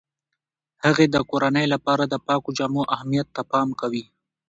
هغې د کورنۍ لپاره د پاکو جامو اهمیت ته پام کوي.